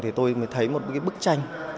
thì tôi mới thấy một cái bức tranh